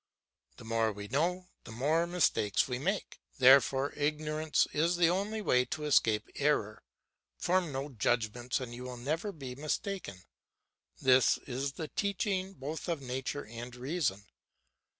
The more we know, the more mistakes we make; therefore ignorance is the only way to escape error. Form no judgments and you will never be mistaken. This is the teaching both of nature and reason.